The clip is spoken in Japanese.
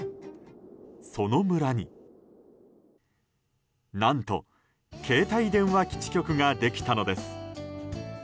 その村に何と携帯電話基地局ができたのです。